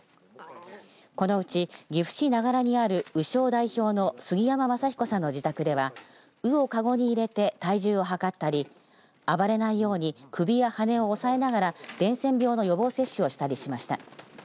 このうち岐阜市長良にある鵜匠代表の杉山雅彦さんの自宅では鵜をかごに入れて体重を測ったり暴れないように首や羽を押さえながら伝染病の予防接種をしたりしました。